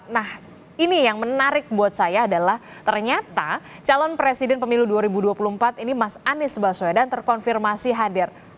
nah ini yang menarik buat saya adalah ternyata calon presiden pemilu dua ribu dua puluh empat ini mas anies baswedan terkonfirmasi hadir